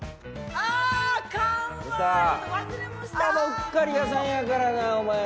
うっかり屋さんやからなお前。